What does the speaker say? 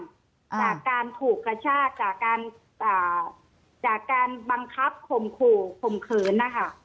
จากการถูกกระชากจากการบังคับข่มขู่ข่มเขิน